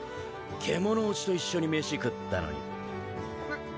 獣堕ちと一緒に飯食ったのにうっ